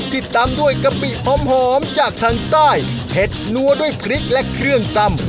ที่ตำด้วยกะปิหอมจากทางใต้เผ็ดนัวด้วยพริกและเครื่องตำ